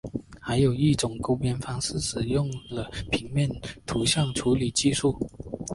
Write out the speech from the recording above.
还有一种勾边方法使用了平面图像处理技术。